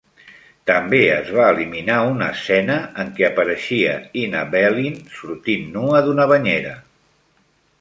També es va eliminar una escena en què apareixia Ina Balin sortint nua d'una banyera.